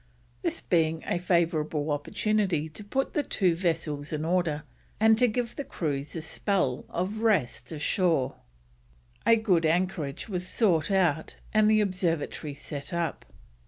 This being a favourable opportunity to put the two vessels in order and to give the crews a spell of rest ashore, a good anchorage was sought out, and the observatory set up.